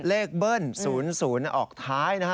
เบิ้ล๐๐ออกท้ายนะฮะ